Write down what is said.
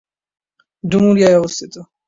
ডুমুরিয়ায় অবস্থিত।